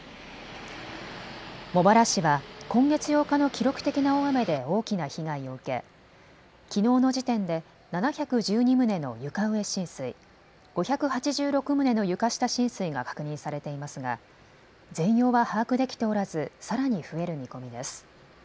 茂原市は今月８日の記録的な大雨で大きな被害を受けきのうの時点で７１２棟の床上浸水、５８６棟の床下浸水が確認されていますが全容は把握できておらずさらに増える見込みです。